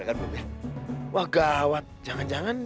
hah ashley apa kasihan